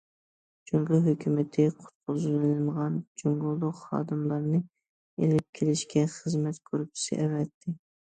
جۇڭگو ھۆكۈمىتى قۇتقۇزۇۋېلىنغان جۇڭگولۇق خادىملارنى ئېلىپ كېلىشكە خىزمەت گۇرۇپپىسى ئەۋەتتى.